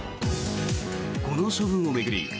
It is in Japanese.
この処分を巡り